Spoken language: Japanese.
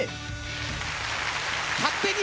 「勝手に！